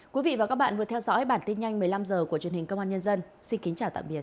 quý vị và các bạn vừa theo dõi bản tin nhanh một mươi năm h của truyền hình công an nhân dân xin kính chào tạm biệt